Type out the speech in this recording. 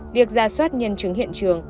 việc ra soát nhân chứng hiện trường